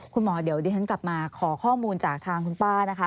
คุณหมอเดี๋ยวดิฉันกลับมาขอข้อมูลจากทางคุณป้านะคะ